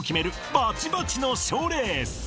バチバチの賞レース